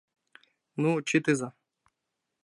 Ну, чытыза!